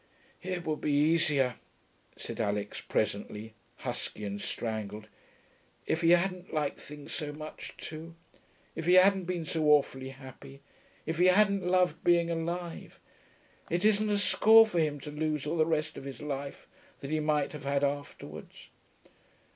'It would be easier,' said Alix presently, husky and strangled, 'if he hadn't liked things so much too; if he hadn't been so awfully happy; if he hadn't so loved being alive.... It isn't a score for him to lose all the rest of his life, that he might have had afterwards.'